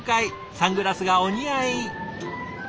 サングラスがお似合い。